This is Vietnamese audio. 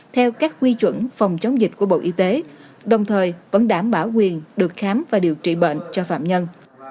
theo các quy chuẩn phòng chống dịch của bộ y tế đồng thời vẫn đảm bảo quyền được khám và điều trị bệnh cho phạm nhân